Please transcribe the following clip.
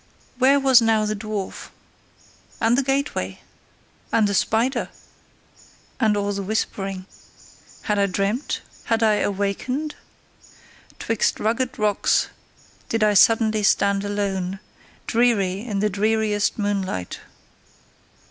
Where was now the dwarf? And the gateway? And the spider? And all the whispering? Had I dreamt? Had I awakened? 'Twixt rugged rocks did I suddenly stand alone, dreary in the dreariest moonlight.